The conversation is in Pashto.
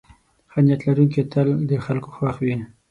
ښه نیت لرونکی تل د خلکو خوښ وي.